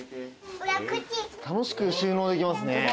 楽しく収納できますね。